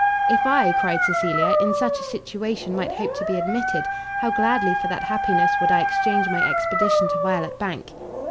"If I," cried Cecilia, "in such a situation might hope to be admitted, how gladly for that happiness would I exchange my expedition to Violet Bank!"